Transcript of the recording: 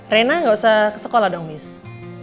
rena gak usah ke sekolah dong miss